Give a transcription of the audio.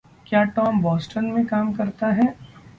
क्या Tom Boston में काम करता है?